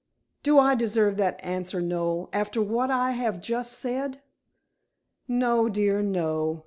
"Do I deserve that answer, Noel, after what I have just said?" "No, dear, no."